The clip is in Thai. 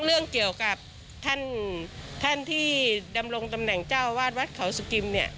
เรื่องเกี่ยวกับท่านที่ดำรงตำแหน่งเจ้าอาวาสวัสดิ์เขาสุกริม